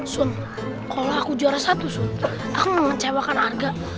sun kalau aku juara satu su aku mengecewakan harga